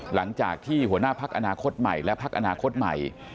หลังจากที่หัวหน้าพักอนาคตใหม่และพักอนาคตใหม่